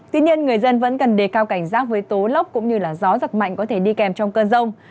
tuy nhiên người dân vẫn cần đề cao cảnh giác với tố lốc cũng như gió giật mạnh có thể đi kèm trong cơn rông